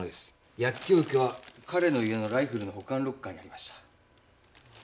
薬莢受けは彼の家のライフルの保管ロッカーにありました。